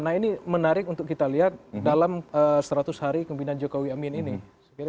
nah ini menarik untuk kita lihat dalam seratus hari kemimpinan jokowi amin ini